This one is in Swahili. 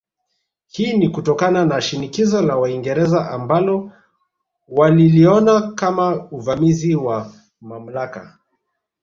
Hii ni kutokana na shinikizo la Waingereza ambalo waliliona kama uvamizi wa mamlaka yao